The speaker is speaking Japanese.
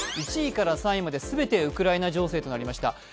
１位から３位まで全てウクライナ情勢となりました。